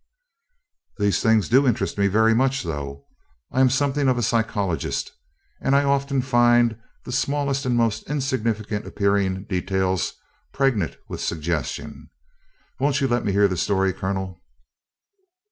"Those things do interest me very much, though. I am something of a psychologist, and I often find the smallest and most insignificant appearing details pregnant with suggestion. Won't you let me hear the story, Colonel?"